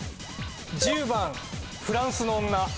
１０番フランスの女。